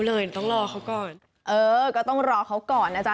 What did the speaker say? เอ่อก็ต้องรอเขาก่อนนะจ๊ะ